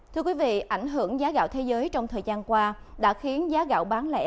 thưa quý vị ảnh hưởng giá gạo thế giới trong thời gian qua đã khiến giá gạo bán lẻ